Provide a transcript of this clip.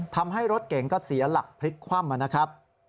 ทำให้รถเก๋งก็เสียหลักพลิกคว่ำมานะครับ